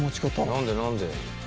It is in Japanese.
何で何で？